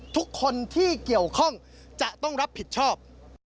ทุกคนที่เกี่ยวข้องจะต้องรับผิดชอบ